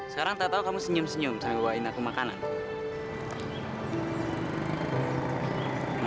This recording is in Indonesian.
sekarang tau tau kamu senyum senyum sama gue bawa makananku